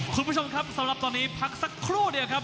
คุณผู้ชมครับสำหรับตอนนี้พักสักครู่เดียวครับ